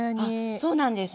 そうなんです。